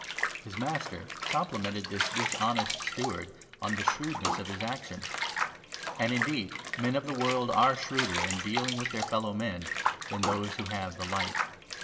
His 8 master complimented this dishonest steward on the shrewdness of his action. And indeed men of the world are shrewder in dealing with their fellow men than those who have the Light.